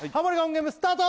ゲームスタート